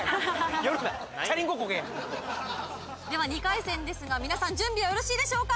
では２回戦ですが皆さん準備はよろしいでしょうか？